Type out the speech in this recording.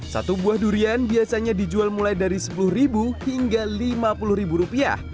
satu buah durian biasanya dijual mulai dari sepuluh ribu hingga lima puluh ribu rupiah